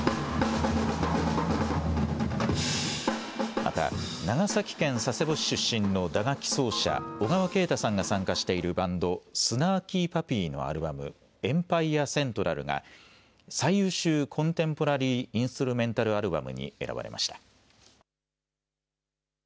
また長崎県佐世保市出身の打楽器奏者、小川慶太さんが参加しているバンド、スナーキー・パピーのアルバム、エンパイア・セントラルが最優秀コンテンポラリー・インストゥルメンタル・アルバムに選ばれました。